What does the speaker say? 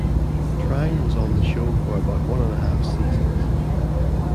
Trang was on the show for about one and a half seasons.